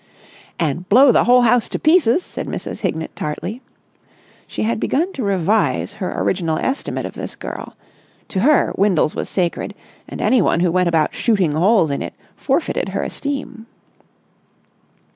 "And blow the whole house to pieces!" said Mrs. Hignett tartly. She had begun to revise her original estimate of this girl. To her, Windles was sacred, and anyone who went about shooting holes in it forfeited her esteem.